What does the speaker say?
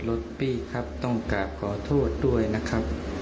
รถพี่ต้องกลับขอโทษด้วยนะครับ